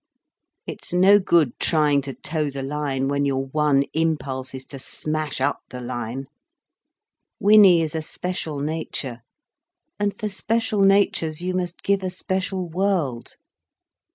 It's no good trying to toe the line, when your one impulse is to smash up the line. Winnie is a special nature, and for special natures you must give a special world."